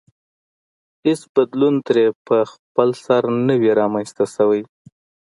هېڅ بدلون ترې په خپلسر نه وي رامنځته شوی.